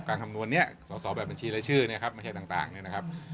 การคำนวณนี้สอบบริบัญชีละชื่อมีแต่งต่างนะครับ